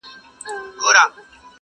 • خو د کلي دننه درد لا هم ژوندی دی,